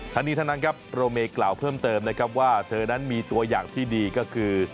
ทั้งนี้ทั้งนั้นครับโปรเมกล่าวเพิ่มเติมนะครับว่าเธอนั้นมีตัวอย่างที่ดีก็คือ